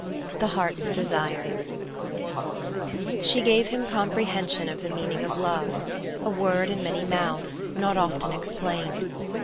The Heart's Desire She gave him comprehension of the meaning of love : a word in many moaths, not often explained.